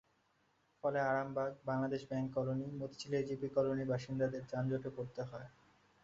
ফলে Arambagh, Bangladesh bank colony, Motijheel AGB কলোনির বাসিন্দাদের যানজটে পড়তে হয়।